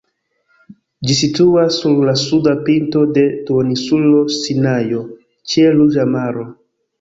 Ĝi situas sur la suda pinto de duoninsulo Sinajo, ĉe Ruĝa Maro.